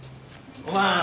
おばはん。